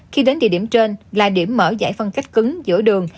khi đến địa điểm trên là điểm mở giải phân cách cứng giữa đường